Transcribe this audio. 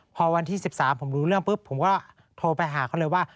พอวันที่๑๓ผมรู้เรื่องปุ๊บผมก็โทรไปหาเขาเลยว่า